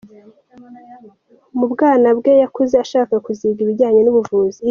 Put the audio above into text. Mu bwana bwe yakuze ashaka kuziga ibijyanye n’ubuvuzi.